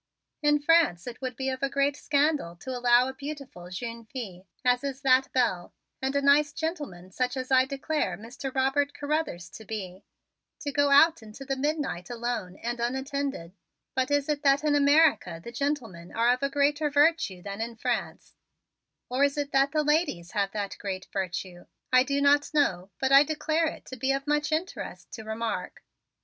In France it would be of a great scandal to allow a beautiful jeune fille, as is that Belle, and a nice gentleman, such as I declare Mr. Robert Carruthers to be, to go out into the midnight alone and unattended; but is it that in America the gentlemen are of a greater virtue than in France, or is it that the ladies have that great virtue? I do not know, but I declare it to be of much interest to remark.